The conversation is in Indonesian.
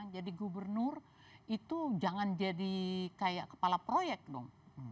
jadi gubernur itu jangan jadi kayak kepala proyek dong